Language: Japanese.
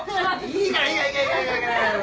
いいからいいから。